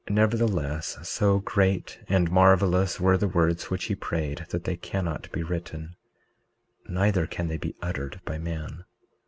19:34 Nevertheless, so great and marvelous were the words which he prayed that they cannot be written, neither can they be uttered by man.